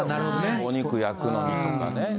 お肉焼くのにとかね。